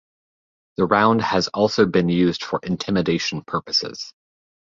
The round has also been used for intimidation purposes.